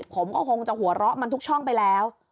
ผมก็คงจะหัวเราะมันทุกช่องไปแล้ว